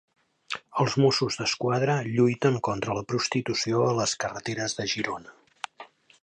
Els Mossos d'Esquadra lluiten contra la prostitució a les carreteres de Girona.